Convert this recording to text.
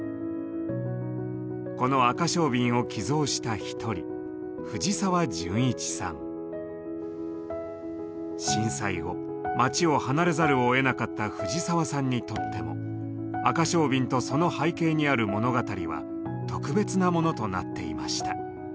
このアカショウビンを寄贈した１人震災後町を離れざるをえなかった藤澤さんにとってもアカショウビンとその背景にある物語は特別なものとなっていました。